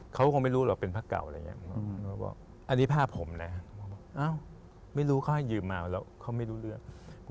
เขาก็ไม่รู้หรอกเป็นพระเก่าอันนี้ภาพผมไม่รู้เขาให้ยืมมาแล้วเขาไม่รู้เรื่อง